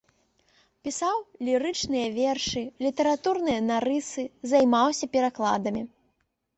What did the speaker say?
Пісаў лірычныя вершы, літаратурныя нарысы, займаўся перакладамі.